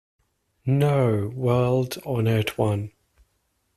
No, World-Honored One.